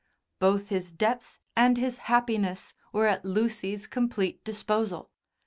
Both his depth and his happiness were at Lucy's complete disposal.